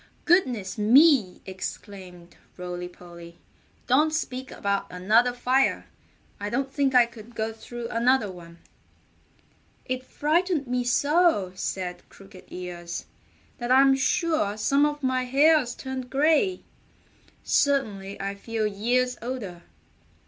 "Goodness me!" exclaimed Rolly Polly. "Don't speak about another fire! I don't think I could go through another one." "It frightened me so," said Crooked Ears, "that I'm sure some of my hairs turned gray. Certainly I feel years older."